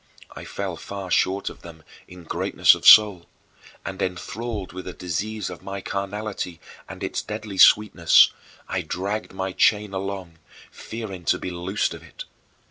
I fell far short of them in greatness of soul, and, enthralled with the disease of my carnality and its deadly sweetness, I dragged my chain along, fearing to be loosed of it.